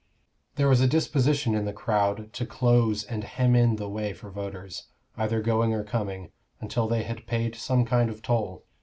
There was a disposition in the crowd to close and hem in the way for voters, either going or coming, until they had paid some kind of toll.